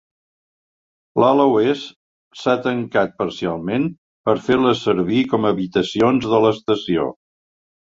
L'ala oest s'ha tancat parcialment per fer-la servir com a habitacions de l'estació.